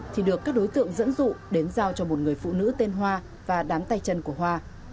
thì được các đối tượng dẫn dụ đến giao cho một người phụ nữ tên hoa và đám tay chân của hoa